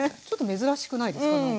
ちょっと珍しくないですか？